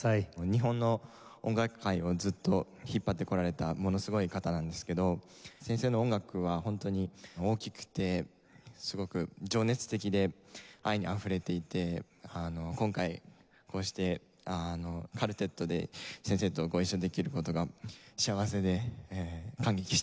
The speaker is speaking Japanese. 日本の音楽界をずっと引っ張ってこられたものすごい方なんですけど先生の音楽はホントに大きくてすごく情熱的で愛にあふれていて今回こうしてカルテットで先生とご一緒できる事が幸せで感激しています。